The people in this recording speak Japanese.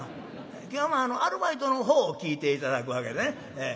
今日はアルバイトの方を聴いて頂くわけでね。